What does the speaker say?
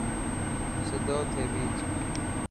سڌو ٿي ڀيچ.